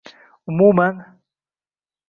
umuman